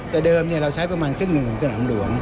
แต่เดิมเราใช้ประมาณครึ่งหนึ่งของสนามหลวง